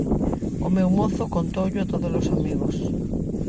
O meu mozo contoullo a todos os amigos.